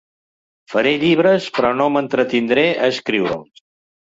Faré llibres, però no m'entretindré a escriure'ls.